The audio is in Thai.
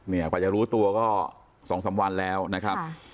กว่าจะรู้ตัวก็๒๓วันแล้วนะครับ